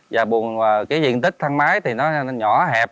và buồn cái diện tích thang máy thì nó nhỏ hẹp